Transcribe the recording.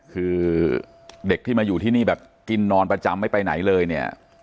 คือเด็กที่มาอยู่ที่นี่แบบกินนอนประจำไม่ไปไหนเลยเนี่ย